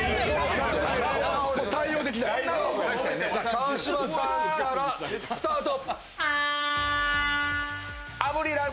川島さんからスタート。